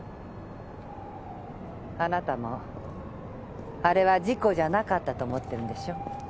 あなたもあれは事故じゃなかったと思ってるんでしょ？